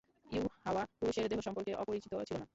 ইউহাওয়া পুরুষের দেহ সম্পর্কে অপরিচিত ছিল না।